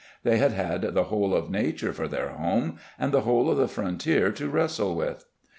They had had the whole of nature for their home and the whole of the frontier to wrestle with.